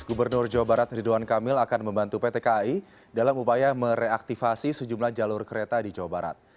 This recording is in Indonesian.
gubernur jawa barat ridwan kamil akan membantu pt kai dalam upaya mereaktivasi sejumlah jalur kereta di jawa barat